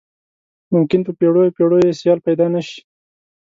ممکن په پیړیو پیړیو یې سیال پيدا نه شي.